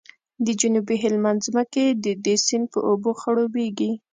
د جنوبي هلمند ځمکې د دې سیند په اوبو خړوبیږي